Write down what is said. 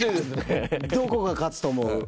どこが勝つと思う？